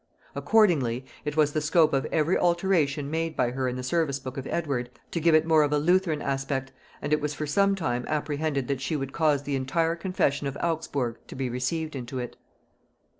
Accordingly, it was the scope of every alteration made by her in the service book of Edward, to give it more of a Lutheran aspect, and it was for some time apprehended that she would cause the entire Confession of Augsburg to be received into it.